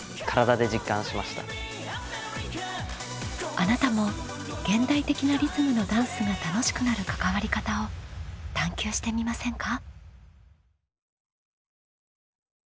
あなたも現代的なリズムのダンスが楽しくなる関わり方を探究してみませんか？